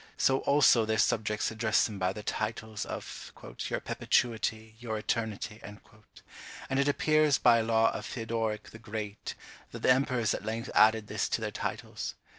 So also their subjects address them by the titles of "Your Perpetuity, your Eternity." And it appears by a law of Theodoric the Great, that the emperors at length added this to their titles.